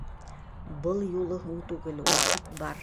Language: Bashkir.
Был юлы һуң түгел, ваҡыт бар.